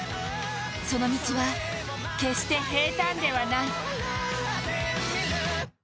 その道は決して平たんではない。